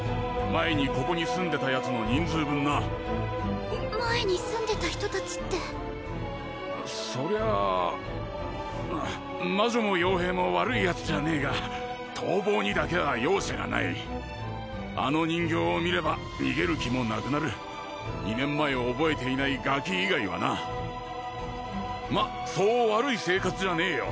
前にここに住んでたヤツの人数分な前に住んでた人達ってそりゃ魔女も傭兵も悪いヤツじゃねえが逃亡にだけは容赦がないあの人形を見れば逃げる気もなくなる２年前を覚えていないガキ以外はなまっそう悪い生活じゃねえよ